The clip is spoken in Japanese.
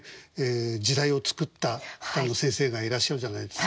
時代をつくった歌の先生がいらっしゃるじゃないですか。